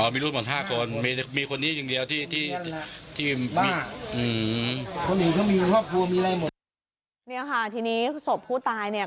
อ๋อมีลูกหมด๕คนมีคนนี้คนเดียวที่ที่อืม